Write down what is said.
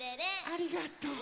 ありがとう。